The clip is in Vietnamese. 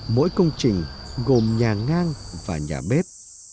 mỗi công trình gồm nhà ngang và nhà bếp